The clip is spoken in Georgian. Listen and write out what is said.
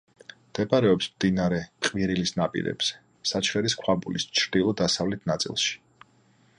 მდებარეობს მდინარე ყვირილის ნაპირებზე, საჩხერის ქვაბულის ჩრდილო-დასავლეთ ნაწილში.